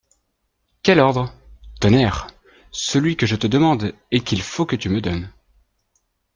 Quel ordre ? Tonnerre ! celui que je te demande, et qu'il faut que tu me donnes.